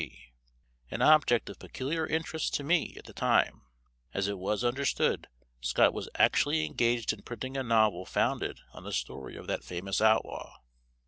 G., an object of peculiar interest to me at the time, as it was understood Scott was actually engaged in printing a novel founded on the story of that famous outlaw.